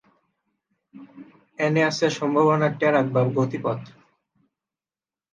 এখানে আছে সম্ভবনার ট্র্যাক বা গতিপথ।